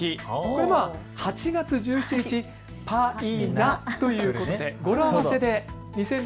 これは８月１７日、パイナ、ということで語呂合わせ。